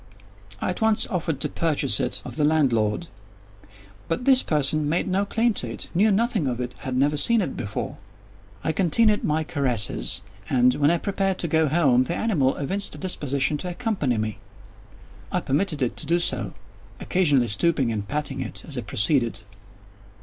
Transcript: I at once offered to purchase it of the landlord; but this person made no claim to it—knew nothing of it—had never seen it before. I continued my caresses, and, when I prepared to go home, the animal evinced a disposition to accompany me. I permitted it to do so; occasionally stooping and patting it as I proceeded.